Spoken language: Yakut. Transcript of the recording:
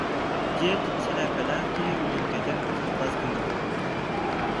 диэт, сэлээппэлээх киһи үрүүмкэтин хантас гыннарда